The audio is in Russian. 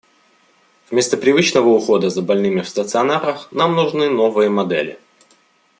Вместо привычного ухода за больными в стационарах нам нужны новые модели.